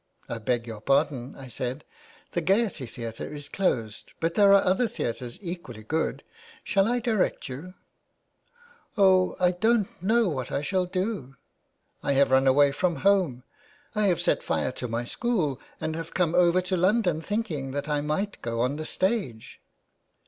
' I beg your pardon,' I said, ' the Gaiety Theatre is closed, but there are other theatres equally good. Shall I direct you ?'' Oh, I don't know what I shall do. I have run away from home. ... I have set fire to my school and have come over to London thinking that I might go on the stage.'